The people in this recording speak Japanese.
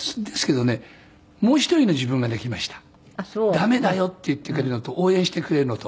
駄目だよって言ってくれるのと応援してくれるのと。